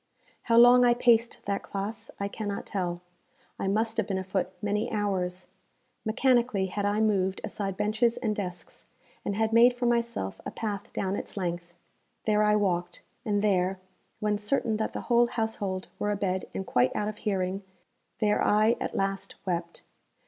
How long I paced that classe, I cannot tell; I must have been afoot many hours. Mechanically had I moved aside benches and desks, and had made for myself a path down its length. There I walked, and there, when certain that the whole household were abed and quite out of hearing, there I at last wept.